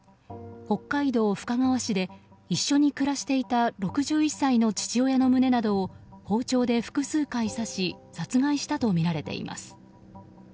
北海道深川市で一緒に暮らしていた６１歳の父親の胸などを包丁で複数回刺し殺害したとみられています。